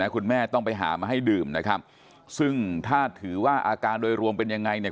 คุณแม่ต้องไปหามาให้ดื่มนะครับซึ่งถ้าถือว่าอาการโดยรวมเป็นยังไงเนี่ย